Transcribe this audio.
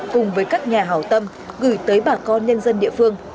cùng với các nhà hào tâm gửi tới bà con nhân dân địa phương